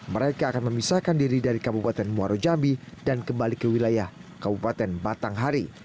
mereka akan memisahkan diri dari kabupaten muaro jambi dan kembali ke wilayah kabupaten batanghari